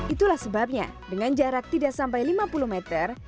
itulah sebabnya dengan jarak tidak sampai lima puluh meter